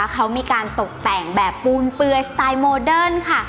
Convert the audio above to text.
เขามีการตกแต่งแบบปูนเปลือยสไตล์โมเดิร์นค่ะ